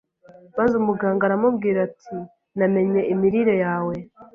maze umuganga aramubwira ati, “Namenye imirire yawe.